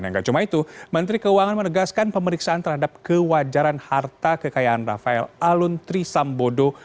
yang gak cuma itu menteri keuangan menegaskan pemeriksaan terhadap kewajaran harta kekayaan rafael alun trisambodo